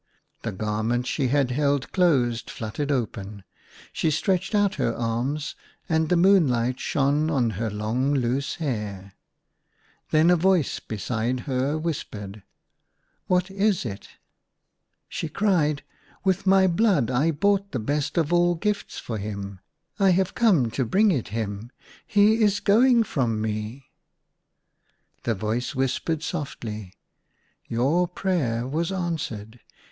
The garment she had held closed flut tered open ; she stretched out her arms, and the moonlight shone on her long loose hair. Then a voice beside her whispered, "What is it?" She cried, " With my blood I bought the best of all gifts for him. I have come to bring it him ! He is going from me 1 " The voice whispered sofdy, " Your prayer was answered.